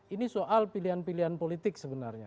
ini soal pilihan pilihan politik sebenarnya